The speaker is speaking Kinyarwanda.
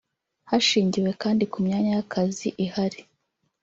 hashingiwe kandi ku myanya y’akazi ihari